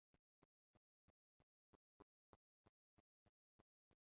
hari ikintu kibi nabonye ku isi